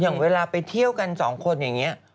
อย่างเวลาไปเที่ยวกันสองคนอย่างนี้